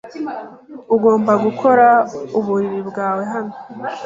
Ugomba gukora uburiri bwawe hano.